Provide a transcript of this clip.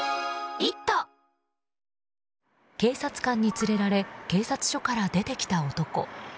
警察官に連れられ警察署から出てきた男。